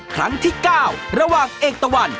ครั้งที่๙ระหว่างเอกตะวัน